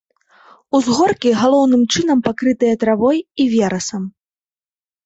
Узгоркі галоўным чынам пакрытыя травой і верасам.